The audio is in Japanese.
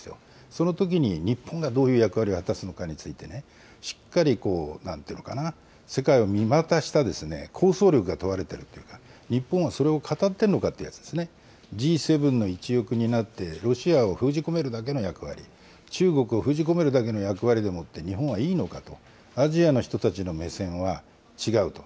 そのときに日本がどういう役割を果たすのかについて、しっかり、なんていうのかな、世界を見渡した構想力が問われてるというか、日本はそれをかたってるのかっていう、Ｇ７の一翼になって、ロシアを封じ込めるだけの役割、中国を封じ込めるだけの役割でもって日本はいいのかと、アジアの人たちの目線は違うと。